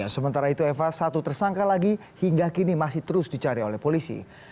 sementara itu eva satu tersangka lagi hingga kini masih terus dicari oleh polisi